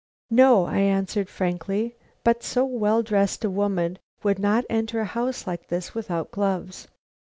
"No," I answered, frankly; "but so well dressed a woman would not enter a house like this, without gloves."